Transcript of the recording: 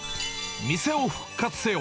店を復活せよ！